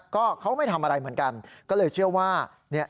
ก็เขาไม่ทำอะไรเหมือนกันก็เลยเชื่อว่าเนี่ย